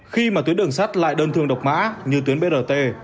khi mà tuyến đường sát lại đơn thường độc mã như tuyến brt